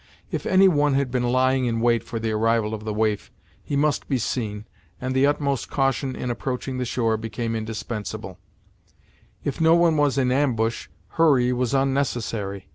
If any one had been lying in wait for the arrival of the waif, he must be seen, and the utmost caution in approaching the shore became indispensable; if no one was in ambush, hurry was unnecessary.